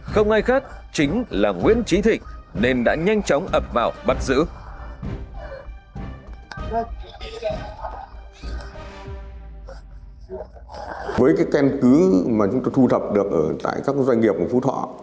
không ai khác chính là nguyễn trí thịnh nên đã nhanh chóng ập vào bắt giữ